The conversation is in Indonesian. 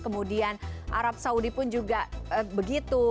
kemudian arab saudi pun juga begitu